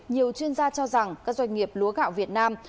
nhiều chuyên gia cho rằng các doanh nghiệp lúa gạo việt nam